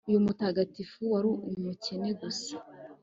Uyu mutagatifu wari umukene gusa